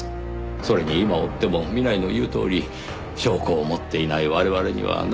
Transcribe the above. それに今追っても南井の言うとおり証拠を持っていない我々には何もできません。